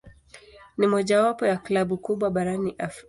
Ni mojawapo ya klabu kubwa barani Ulaya.